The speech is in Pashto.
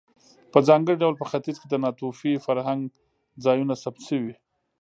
په ځانګړي ډول په ختیځ کې د ناتوفي فرهنګ ځایونه ثبت شوي.